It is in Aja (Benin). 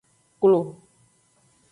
Klo.